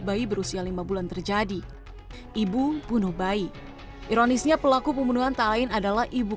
bayi berusia lima bulan terjadi ibu bunuh bayi ironisnya pelaku pembunuhan tak lain adalah ibu